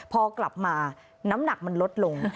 พอกลับมาน้ำหนักมันลดลง